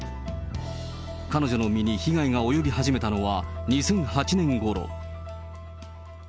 彼女の身に被害が及び始めたのは２００８年ごろ。